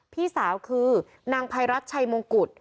พี่สาวคือนางภัยรัฐชัยมงกุฎ